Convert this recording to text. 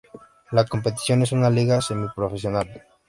La competición es una liga semiprofesional.